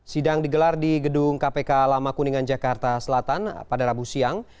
sidang digelar di gedung kpk lama kuningan jakarta selatan pada rabu siang